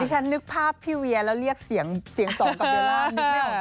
ฉันนึกภาพพี่เวียแล้วเรียกเสียงสองกับเบลล่านึกไม่ออก